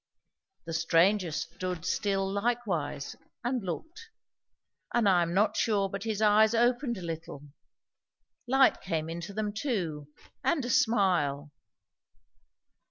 The stranger stood still likewise, and looked, and I am not sure but his eyes opened a little; light came into them too, and a smile.